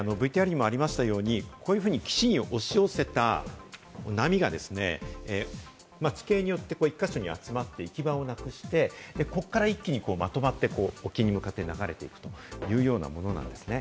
ＶＴＲにもありましたように、こういうふうに岸に押し寄せた波が地形によって１か所に集まって行き場をなくして、ここから一気にまとまって、沖に向かって流れていくというようなものなんですね。